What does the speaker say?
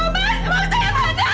mas jangan pergi